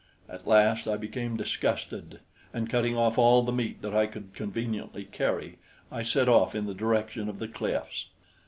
At last I became disgusted, and cutting off all the meat that I could conveniently carry, I set off in the direction of the cliffs.